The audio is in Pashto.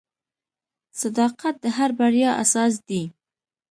• صداقت د هر بریا اساس دی.